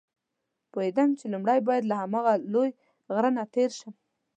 پوهېدم چې لومړی باید له هماغه لوی غره نه تېر شم.